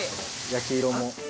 焼き色も。